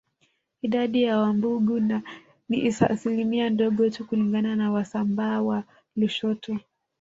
Idadi ya Wambugu ni asilimia ndogo tu kulingana na Wasambaa wa Lushoto